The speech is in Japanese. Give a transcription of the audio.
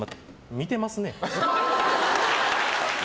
見てますね。